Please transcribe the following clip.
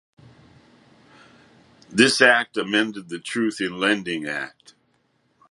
This act amended the Truth in Lending Act.